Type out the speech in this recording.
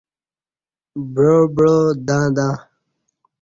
بعا بعا دں دں